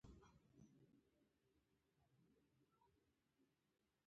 هغه د خزان په سمندر کې د امید څراغ ولید.